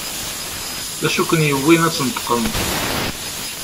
D acu i ken-yewwin ad d-tneṭqem?